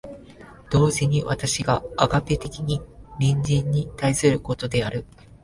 同時に私がアガペ的に隣人に対することである。